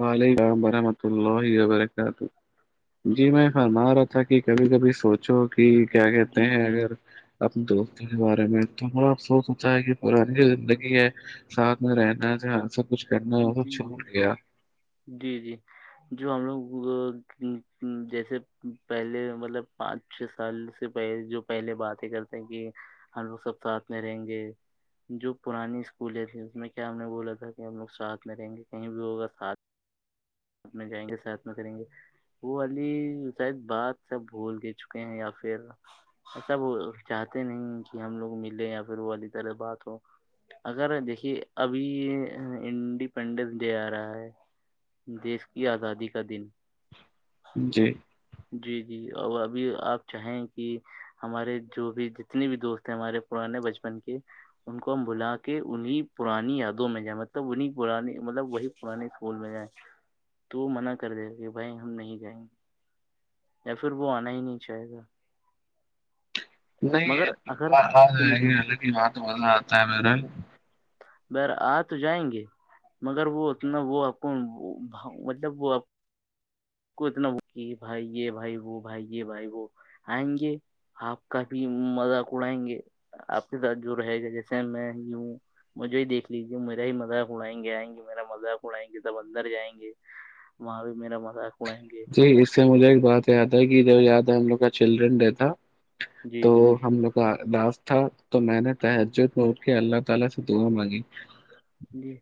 وعلیکم وورحمۃ اللہ وبرکاتہ جی میں فرما رہا تھا کہ کبھی کبھی سوچو کہ کیا کہتے جی ہیں جی اگر اپنے دوستوں کے بارے میں تو بڑا افسوس ہوتا ہے کہ پرانی جو زندگی ہے ساتھ میں رہنا ج سب کچھ کرنا وہ سب جی چھوڑ گیا جی جی جو ہم لوگ جیسے پہلے مطلب پانچ چھ سال سے پہل جو پہلے باتیں کرتے ہیں کہ ہم لوگ سب ساتھ میں رہیں گے جو پرانی اسکولیں تھی اس میں کیا ہم نے بولا تھا کہ ہم لوگ ساتھ میں رہیں گے کہیں بھی ہوگا ساتھ اپنے جائیں گے ساتھ میں کریں گے وہ علی شاید بات سب بھول دے چکے ہیں یا پھر ایسا وہ چاہتے نہیں کہ ہم لوگ ملے یا پھر وہ والی طرح بات ہو اگر دیکھیے ابھی انڈیپینڈنس ڈے آ رہا ہے دیش کی آزادی کا دن جی جی جی اور ابھی آپ چاہیں کہ ہمارے جو بھی جتنے بھی دوست ہیں ہمارے پر نے بچپن کی ان کو ہم بلا کے انہیں پرانی یادوں میں جائیں مطلب انہیں پرانی مطلب وہی پرانے اسکول میں جائیں تو وہ منع کر دے کہ بھائی ہم نہیں جائیں گے یا پھر وہ آنا ہی نہیں چاہے گا نہیں مگر گی اگر سنی حکن سنی یہ تو مزہ آتا ہے مر ب آ تو جائیں گے مگر وہ اتنا وہ آپ کو مطلب وہپ کو اتنا کہ بھائیے بھائی وہ بھائی بھائی وہ آئیں گے آپ کافی مذاق اڑائیں گے آپ کے ساتھ جو رہے گا جیسے میں ہی ہوں مجھے ہی دیکھ لیجیے میرا ہی مذاق اڑائیں گے آئیں گے میرا مذاق اڑائیں گے جب اندر جائیں گے وہاں بھی میرا مذاق اڑائیں گے اس سے مجھے ایک بات یاد ہے کہ ج یاد ہے ہم لوگ کا چلڈرن ڈے تھا جی تو جی ہم لوگ کادااز تھا تو میں نے تہجد میں ا کے اللہ تعالی سے دعا مانگی جی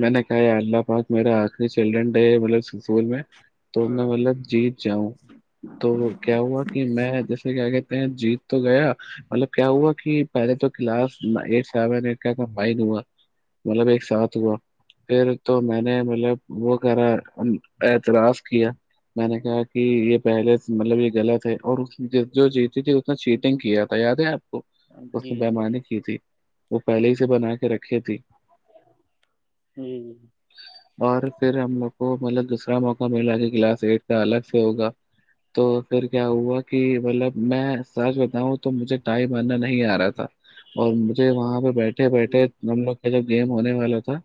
میں نے کہا اللہ پاک میرا آخری چلڈرن ڈے ہے مطلب اسکول میں تو میں مطلب جیت جاؤں تو کیا ہوا کہ میں جس کیا کہتے ہیں جیت تو گیا مطلب کیا ہوا کہ پہلے تو کلاس ایٹ سیون فائن ہوا مطلب ایک ساتھ ہوا پھر تو میں نے مطلب وہ کرا ا تلاس کیا میں نے کہا کہ یہ پہلے مطلب یہ غلط ہے اور جو چیتی تھی انا چیٹنگ کیا تھا یاد ہے آپ اس جی نے جی بمانی کی تھی وہ پہلے ہی سے بنا کے رکھھی تھی جی جی اور پھر ہم لوگ کو مطلب دوسرا موقع مللا کہ کلاس ایٹ کا الگ سے ہوگا تو پھر کیا ہوا کہ مطلب میں سچ بتاؤں تو مجھے ٹائم آنا نہیں آ رہا تھا اور مجھے وہاں پہ بیٹھے بیٹھے جی جی بیٹھے ہم لوگ کا جو گیم ہونے والا تھا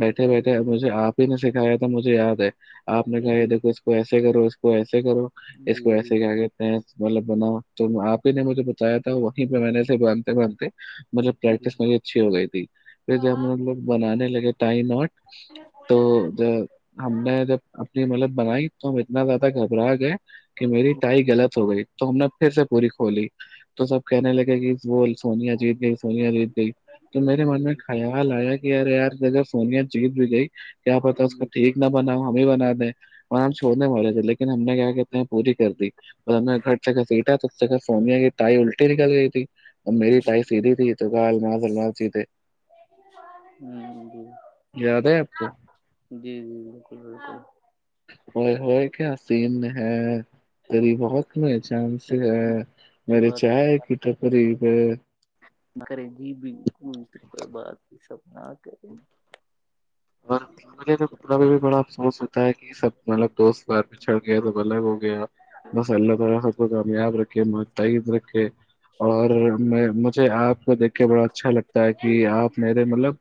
بیٹھے بیٹھے مجھے آپ نے سکھایا تھا مجھے یاد ہے آپ نے جی جی جی جی کہا یہ دیکھو اس کو ایسے کرو اس کو ایسے کرو اسک جی ایس گ آگے مطلب بناؤ تو آپ ہی نے مجھے بتایا تھا وہیں پہ میں نے سےے باندھتے باندھتے مطلب پریکٹس م اچھی ہو گئی تھی پھر جب مطلب بنانے لگے ت ناٹ تو ج ہم نے جب اپنی ملد بنائی تو ہم اتنا زیادہ گھبرا گئے کہ میری ٹائی غلط ہو گئی تو ہم نے پھر سے پوری کھولی تو سب کہنے لگے کہ وہ سونیا جیت گئی سونیا جیت گئی تو میرے من میں کھیا ال آیا کہ یار یار جہ سونیا جیت بھی گئی کیا پتا اس کو ٹھیک نہ بناؤ ہم ہی بنا دیں بن چھوڑنے والے تھے لیکن ہم نے کیا کہتے ہیں پوری کر دی اور گھر جگہ بییھا تو اس جہ سونیا کی تائی الٹی نکل گئی تھی اب میریٹف سیدھی تھی تو کہ الم المار سیدھے ہ جی یاد ہے آپ کو جی جی بالکل بالکل ہو ہو کیا سین ہے تری بات میں جان سے ہے سے میرے بات چائے کی ٹقریب ہے نہ کریں جی بھی بات سب نہ کریں اور بولے کتا پہ بھی بڑا افسوس ہوتا ہے کہ سب مطلب دوست ار بھی چڑھ گئے تو بولے وہ بسلہ ترب گ ہمیااد رک م ترک اور جی میں جی مجھے آپ کو دیکھ کے بڑا اچھا لگتا ہے کہ آپ میرے مطلب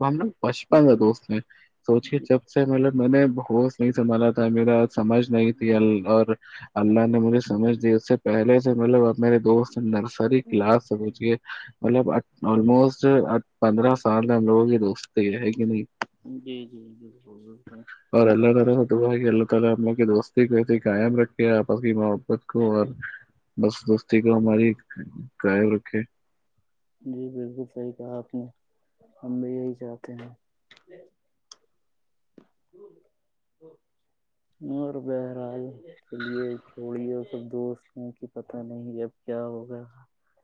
نے بچپن تھا دوست نے سوچے جی جب سے مطلب میں نے ہوش نہیں سنبھالا تھا میرا سمجھ نہیں تھی ال اور اللہ نے مجھے سمجھ دی اس سے پہلے سے مطلب میرے دوست نرسری کلاسوچے مطلب آلموسٹ پندرہ سال ہم لوگ ہی دوست ہی رہ کہ نہیں جی جی جی بالکل بالکل اورلہ ہم ترہ س تو وہ ال ال اپنے کے دوستی کو ایسے قائم رکھے آپس کی محبت کو اور بس دوستی کو ہماری قائب رکھے جی بالکل صحیح کہا آپ نے ہم بھی یہی چاہتے ہیں ہ ہ [unintelligible] اور اور بہرحال کے لیے چھوڑیے سب دوست نے کہ پتہ نہیں اب کیا ہوگا [unintelligible]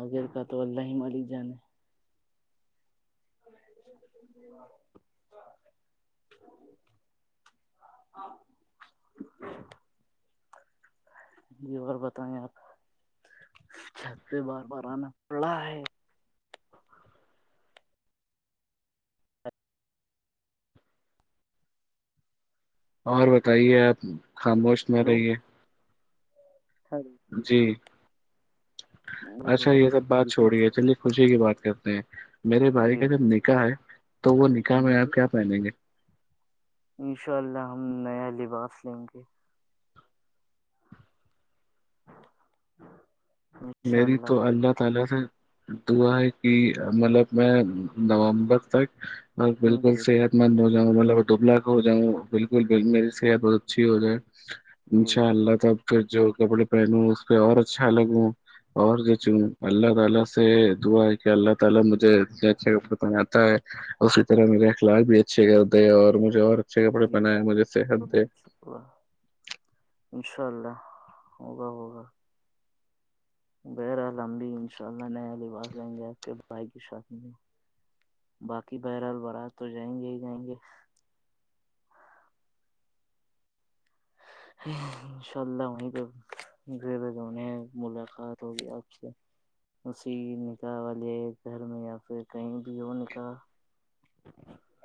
آگر کا تو الاہم علی جان ہے [unintelligible] ہاں جی اور بتائیں یپ چتے بار بار آنا پڑا ہے اور بتائیے آپ خاموش نہ ہلو رہیے جی اچھا یہ سب بات چھوڑی ہے چ لے خوشی کی بات کرتے ہیں میرے بھائی جی کا جب نکاح ہے تو وہ نکاح میں جی آپ کیا پہنیں گے انشاء اللہ ہم نیا لباس لیں گے ہ میری تو اللہ تعالی سے دا ہے کہ مطلب میں نومبر تک ب ہ بالکل جی جی صحت مند ہو جاؤا مطلب ڈبلا ہو جاؤں بالکل بکل میری صحت بہت اچھی ہو جائے ان شاء جی اللہ تب پھر جو کپڑے پہنوں اس پہ اور اچھا لگوں اور جو چوں جی اللہ تعالی سے دعا کہ اللہ تعالی مجھے انے اچھے حقت میں آتا ہے اسی طرح میرے اخلاق بھی اچھے کرتے اور مجھے اور اچھے کپڑے جی پہنائے مجھے صحت دے انشاء اللہ ہوگا ہوگا بہرحال ہمم بھی ان شاء اللہ نیا لباس لیں گے آپ کے بھائی کے ساتھ میں باقی بہرحال برات تو جائیں گے ہی جائیں گے انشاء اللہام عیکم گیر جمیں ملاقات ہوگی آپ سے اسی نکاح والے گھر میں یا پھر کہیں بھی ہو نکاح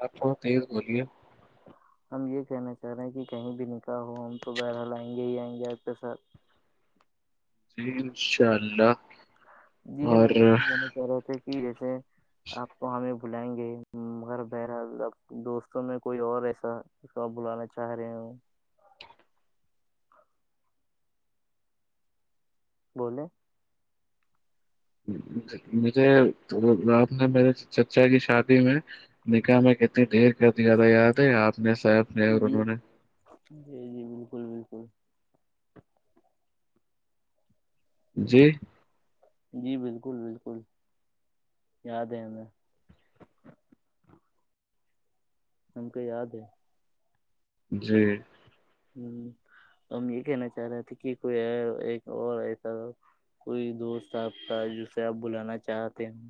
آپ تھوڑا تیز بولیے ہم یہ کہنا چاہ رہے ہیں کہ کہیں بھی نکح ہو ہم تو برحل آئیں گے ہی آئیں گے آپ کے ساتھ جی انشاء اللہ اور کہہ رہے تھے کہ جیسے آپ کو ہمیں بلائیں گے مگر بہرحال اب دوستوں میں کوئی اور ایسا اس کو بلانا چاہ رہی ہوں بولیں مجھے رات نے میرے چچا کی شادی میں نکاح میں کتنی دیر کر دیا تھا یاد ہے آپ نے شاید جی جی جی بالکل بالکل جی جی بالکل بالکل یاد ہے ہمیں ہمم کو یاد ہے جی ہ تو ہم یہ کہنا چاہ رہے تھے کہ کوئی اور ایسا کوئی دوست آپ کا جسے آپ بلانا چاہتے ہیں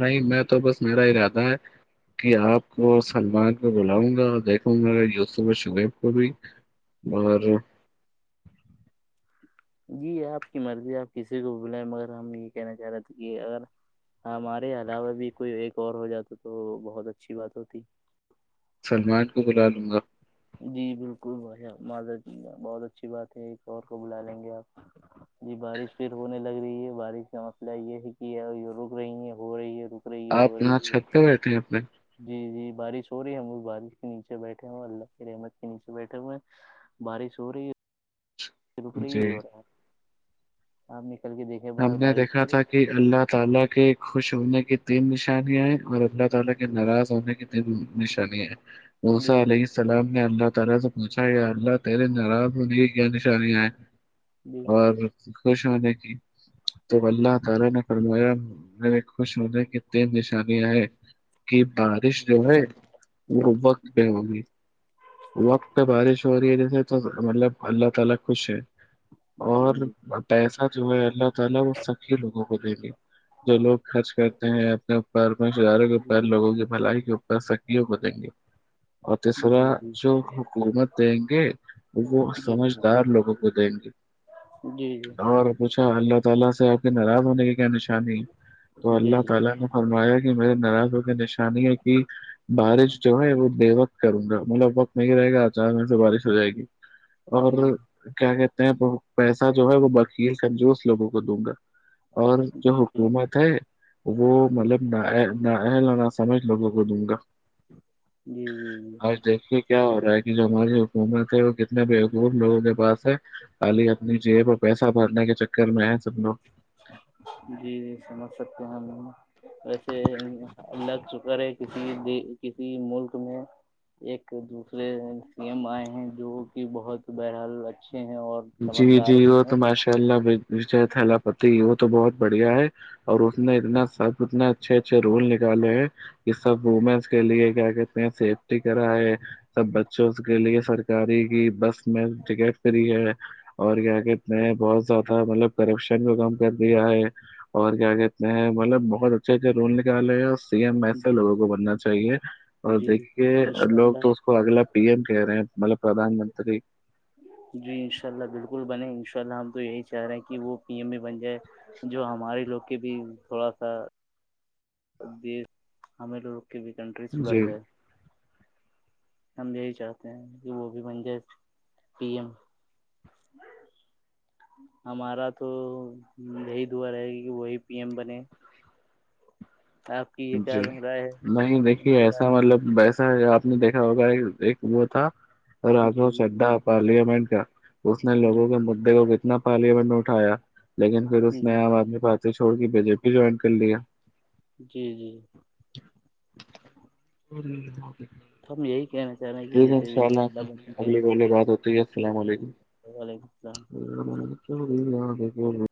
نہیں میں تو بس میرا ہی رہتا ہے کہ آپ کو سلمان کو بلاؤں گا اور دیکھوں گا یوسف شعیب کو بھی اور جی آپ کی مرضی آپ کسی کو بلائیں مگر ہم یہ کہنا چاہ رہے تھے کہ اگر ہاں ہمارے علاوہ بھی کوئی ایک اور ہو جاتا تو بہت اچھی بات ہوتی سلمان کو بلا لوں گا جی بالکل بھ معذر ج بہت اچھی بات ہے ایک اور کو بلا لیں گے آپ جی بارش پھر ہونے لگ رہی ہے بارش کا مسئلہ یہ ہے کہ رک رہی ہے ہو رہی ہے رک رہی ہے آپ ہو یہاں رہی ہے چھت پہ بیٹھے ہیں اپنے جی جی بارش ہو رہی ہے ہم بارش کے نیچے بیٹھے ہو اللہ کے نیچے بیٹھے ہوئے ہیں بارش ہو رہی ہے رک جی رہی ہو رہا ہے آپ نکل کے دیکھ ہم نے دیکھا تھا کہ اللہ تعالی کے خوش ہونے کی تین نشانیاں اور اللہ تعالی کے ناراض ہونے کی ایک نشانی ہے وہ جی سا جی ہی سلام نے اللہ تعالی سے پوچھا اللہ تیرے ناراض ہو نہیں کیا نشانیں ہے جی اور خوش ہو دیکھی تو اللہ تعالی نے فرمایا میرے خوش ہونے ک ت نشانی آئے کہ بارش جو ہے وہ وقت پہ ہوگی وقت پہ بارش چیے تو مطلب اللہ تعالی خوش ہے جی اور جی پیسہ جو ہے ال وہ سکی لوگوں کو دیں گی جو لوگ خرچ کرتے ہیں اپنے اوپر پیش اداروں کے اوپر لوگوں کی بلائی کے اوپر سکیوں کو دیں گے اور جی جی تیسرا جی جو حکومت دیں گے وہ جی جی سمجھدار لوگوں کو دیں گے جی جی اچ اللہ تعالی سے آپ کے ناراض ہونے کی کیا نشانی تو جی جی جی اللہ تعالی نے فرمایا کہ میرے ناراضوں کی نشانی ہے کہ بارش جو ہے وہ دیوک کروں گا مطلب وقت نہیں رہے گا چار منٹ سے بارش ہو جائے گی اور کیا کہتے ہیں پیسہ جو ہے وہ بکیل کا جوس لوگوں کو دوں گا اور جو حکومت ہے وہ مطلب نہ ا لو نہ سمجھ لوگوں کو دوں گا جی جی آج دیکھیے کیا ہو رہا ہے کہ جو ہماری حکومت ہے وہ کتنے بیےقور لوگوں کے پاس خالی اپنی جی پ پیسہ بھرنے کے چکر میں ہے سب لوگ جی جی سمجھ سکتے ہیں ویسے لگ چکا ہے کسی د کسی ملک میں ایک دوسرے سی ایم آئے ہیں جو کہ بہت بہرحال اچھے ہیں اور جی جی سمجھدار بھی تو ہیں میںش لہ تھلا پتی وہ تو بہت بڑھیا ہے اور اس نے اتنا سب اتنے اچھے اچھے رول نکالے ہیں یہ سب وومنس کے لیے کیا کہتے ہیںیف چٹی کرا ہے سب بچوں کے لیے سرکاری کی بس میں ٹکٹ کری ہے اور کیا کہ ات میں بہت زیادہ مطلب کرپشن کو کم کر دیا ہے اور کیا کہتے ہیں مطلب بہت اچھے اچھے رول نکالے ہیں ایسے جی لوگوں کو بننا چاہیے اور جی دیکھیے انشاء لوگ تو اللہ اگلا پی ایم کہہ رہے ہیں مطلب پردان منتری جی انشاء اللہ بالکل بنے انشاء اللہ ہم تو یہی چاہ رہے ہیں کہ وہ پی ایم میں بن جائے جو ہمارے لوگ کے بھی تھوڑا سا ت ہمیں لگ کی بھی کنٹری سدھر جی جائے ہم یہی چاہتے ہیں کہ وہ بھی منجے پی ایم ہمارا تو یہی دعا رہے گی کہ وہی پی ایم بنے آپ کی یہ جی کیا رائے ہے نہیں ان دیکھیے کے ایسا بارے میں مطلب ویسا آپ نے دیکھا ہوگا کہ ایک وہ تھا اور جی رگو جی شھا پارلیامنٹ کا اس نے جی لگوں کے مدے کو کتنا پارلیامنٹ میں اٹھایا لیکن پھر جی اس نے عام آدمی پار تو چھوڑ کے بی جے پی جوائن کر لیا جی جی اور ہم یہی کہنا چاہ رہے ہیں کہ ٹھیک ہے ان جیسے بھی شاء جی اللہ بچی۔ اگلے بے بات ہوتی ہے السلام علیکم وعلیکم السلام ا میے